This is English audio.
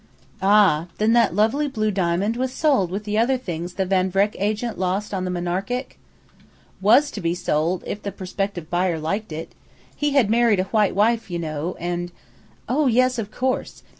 "Ah, then that lovely blue diamond was sold with the other things the Van Vreck agent lost on the Monarchic?" "Was to be sold if the prospective buyer liked it. He had married a white wife, you know, and " "Oh, yes, of course.